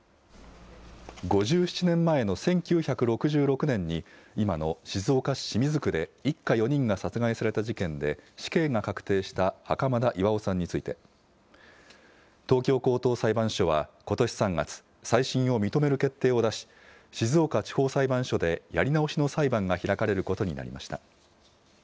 ５７年前の１９６６年に、今の静岡市清水区で一家４人が殺害された事件で死刑が確定した袴田巌さんについて、東京高等裁判所はことし３月、再審を認める決定を出し、静岡地方裁判所でやり直しの裁判が開かれることになりました。